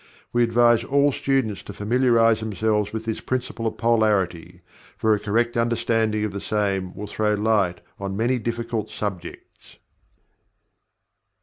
We advise all students to familiarize themselves with this Principle of Polarity, for a correct understanding of the same will throw light on many difficult subjects.